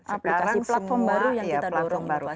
aplikasi platform baru yang kita dorong